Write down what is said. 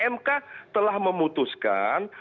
mk telah memutuskan